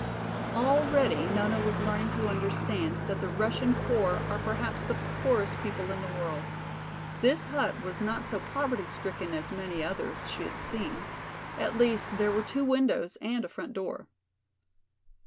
Already Nona was learning to understand that the Russian poor are perhaps the poorest people in the world. This hut was not so poverty stricken as many others she had seen; at least, there were two windows and a front door.